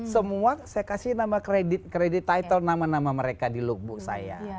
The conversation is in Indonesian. semua saya kasih nama kredit title nama nama mereka di lookbook saya